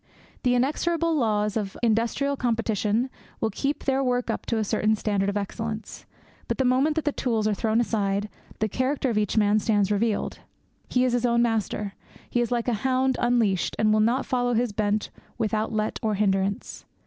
The inexorable laws of industrial competition will keep their work up to a certain standard of excellence. But the moment that the tools are thrown aside the character of each man stands revealed. He is his own master. He is like a hound unleashed, and will now follow his bent without let or hindrance.